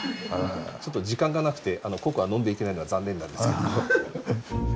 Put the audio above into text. ちょっと時間がなくてココア飲んでいけないのは残念なんですけど。